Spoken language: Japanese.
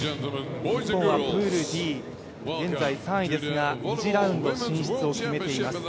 日本はプールＤ現在３位ですが、２次ラウンド進出を決めています。